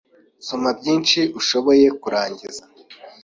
Soma byinshi ushoboye kurangiza